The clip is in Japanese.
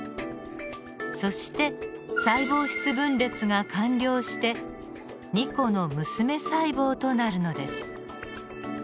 そして細胞質分裂が完了して２個の娘細胞となるのです。